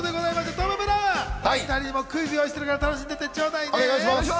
トム・ブラウン、２人にクイズを用意してるから楽しんでってちょうだい！